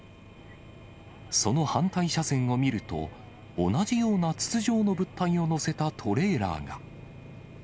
その反対車線を見ると、同じような筒状の物体を載せたトレーラーが。